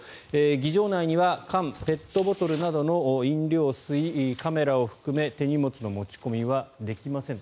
儀場内には缶・ペットボトルなどの飲料水カメラを含め手荷物の持ち込みはできません。